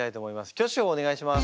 挙手をお願いします。